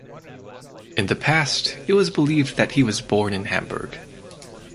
In the past it was believed that he was born in Hamburg.